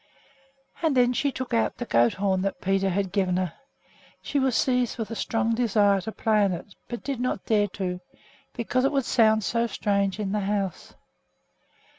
And then she took out the goat horn that Peter had given her. She was seized with a strong desire to play on it, but did not dare to, because it would sound so strange in the house.